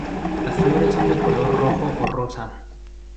Las flores son de color rojo o rosa.